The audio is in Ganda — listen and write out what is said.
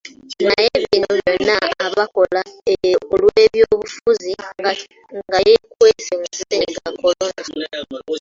Naye bino byonna abakola olw'ebyobufuzi nga yeekwese mu Ssennyiga Corona.